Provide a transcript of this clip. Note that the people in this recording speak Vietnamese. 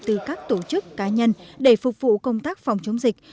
từ các tổ chức cá nhân để phục vụ công tác phòng chống dịch